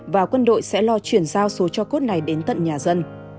và quân đội sẽ lo chuyển giao số cho cốt này đến tận nhà dân